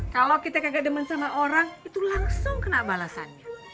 kalau kita kagak deman sama orang itu langsung kena balasannya